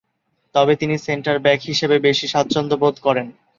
তবে তিনি সেন্টার-ব্যাক হিসেবে বেশি স্বাচ্ছন্দ্য বোধ করেন।